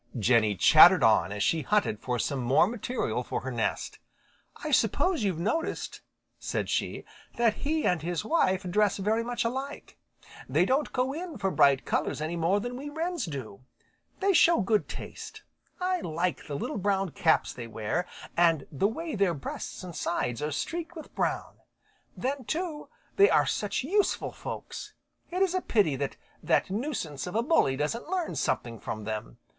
Jenny chattered on as she hunted for some more material for her nest. "I suppose you've noticed," said she, "that he and his wife dress very much alike. They don't go in for bright colors any more than we Wrens do. They show good taste. I like the little brown caps they wear, and the way their breasts and sides are streaked with brown. Then, too, they are such useful folks. It is a pity that that nuisance of a Bully doesn't learn something from them.